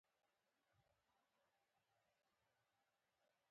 پاکستان د بېلابېلو لارو هڅه کوي چې افغانستان کې ناامني زیاته کړي